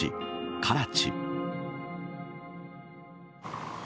カラチ。